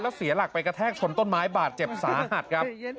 เสียหลักไปกระแทกชนต้นไม้บาดเจ็บสาหัสครับ